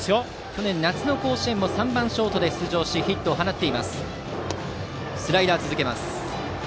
去年夏の甲子園も３番ショートで出場しヒットを放っています。